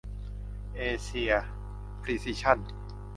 เอเซีย พรีซิชั่น